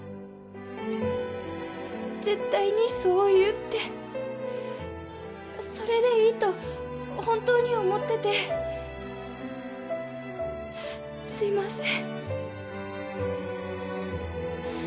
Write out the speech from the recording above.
絶対にそう言うってそれでいいと本当に思っててすいません